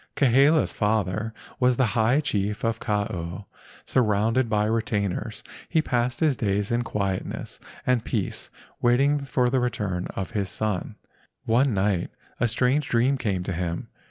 Kahele's father was the high chief of Kau. Surrounded by retainers, he passed his days in quietness and peace waiting for the return of his son. One night a strange dream came to him.